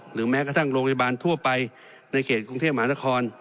แม้กระทั่งโรงพยาบาลทั่วไปในเขตกรุงเทพมหานคร